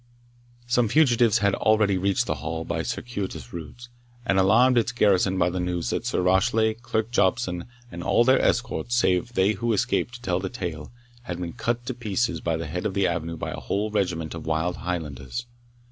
Some fugitives had already reached the Hall by circuitous routes, and alarmed its garrison by the news that Sir Rashleigh, Clerk Jobson, and all their escort, save they who escaped to tell the tale, had been cut to pieces at the head of the avenue by a whole regiment of wild Highlanders.